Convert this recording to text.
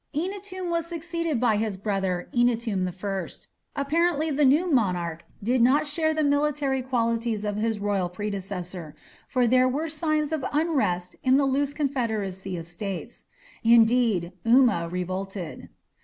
Eannatum was succeeded by his brother, Enannatum I. Apparently the new monarch did not share the military qualities of his royal predecessor, for there were signs of unrest in the loose confederacy of states. Indeed, Umma revolted.